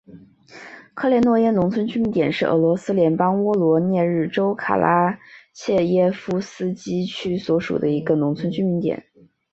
科连诺耶农村居民点是俄罗斯联邦沃罗涅日州卡拉切耶夫斯基区所属的一个农村居民点。